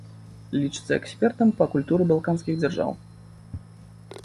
Лічыцца экспертам па культуры балканскіх дзяржаў.